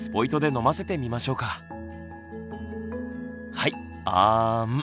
はいあん。